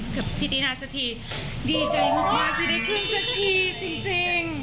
ดีใจมากที่ได้ขึ้นสักทีจริง